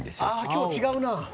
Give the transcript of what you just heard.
今日違うな。